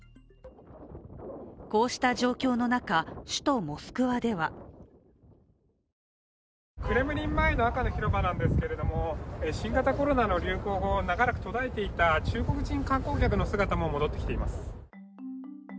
こうした状況の中、首都モスクワではクレムリン前の赤の広場なんですけれども新型コロナの流行後、長らく途絶えていた中国人観光客の姿も戻ってきています。